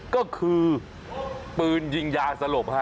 ก็คือปืนยิงยาสลบฮะ